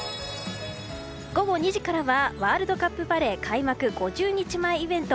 午後２時からはワールドカップバレー開幕５０日前イベント。